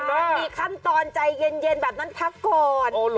มีคำตอนใจเย็นแบบนั้นพักก่อน